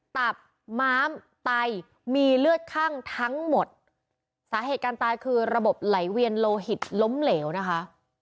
ตับม้ามไตมีเลือดคั่งทั้งหมดสาเหตุการตายคือระบบไหลเวียนโลหิตล้มเหลวนะคะ